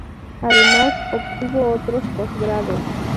Además obtuvo otros posgrados.